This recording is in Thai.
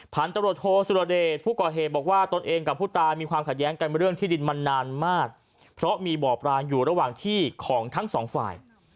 พันตำรวจโทสุรเดชผู้ก่อเหตุบอกว่าตนเองกับผู้ตายมีความขัดแย้งกันเรื่องที่ดินมานานมากเพราะมีบ่อปรางอยู่ระหว่างที่ของทั้งสองฝ่าย